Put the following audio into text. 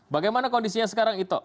bagaimana kondisinya sekarang ito